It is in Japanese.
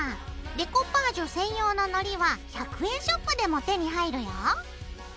デコパージュ専用ののりは１００円ショップでも手に入るよ。